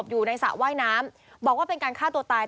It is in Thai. สมดินโชกินในสระว่ายน้ำบอกว่าเป็นการฆ่าตัวตาย